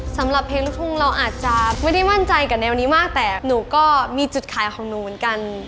สำหรับเพลงลูกทุ่งเราอาจจะไม่ได้มั่นใจกับแนวนี้มากแต่หนูก็มีจุดขายของหนูเหมือนกัน